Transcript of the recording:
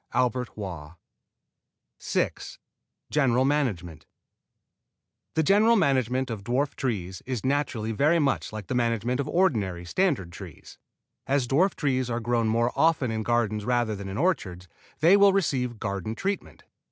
19 OLD ESPALIER PEARS ON FARM HOUSE WALL] VI GENERAL MANAGEMENT The general management of dwarf trees is naturally very much like the management of ordinary standard trees. As dwarf trees are grown more often in gardens rather than in orchards they will receive garden treatment.